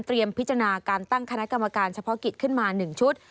พิจารณาการตั้งคณะกรรมการเฉพาะกิจขึ้นมา๑ชุด